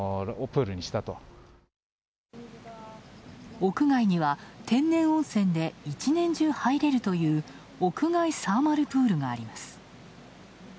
屋外には天然温泉で一年中入れるという屋外サーマルプールがあります。